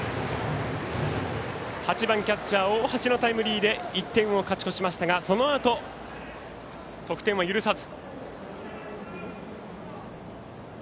８番、キャッチャーの大橋のタイムリーで１点を勝ち越しましたがそのあと得点は許さず。